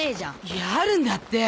いやあるんだって！